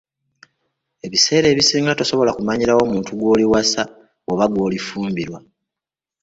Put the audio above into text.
Ebiseera ebisinga tosobola kumanyirawo muntu gw'oliwasa oba gw'olifumbirwa.